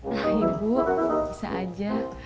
nah ibu bisa aja